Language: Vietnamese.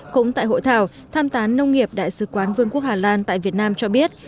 cũng tại hội thảo tham tán nông nghiệp đại sứ quán vương quốc hà lan tại việt nam cho biết